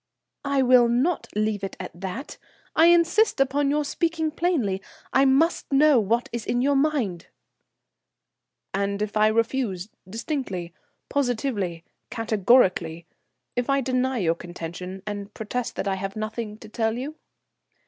"I will not leave it at that. I insist upon your speaking plainly. I must know what is in your mind." "And if I refuse, distinctly, positively, categorically; if I deny your contention, and protest that I have nothing to tell you?"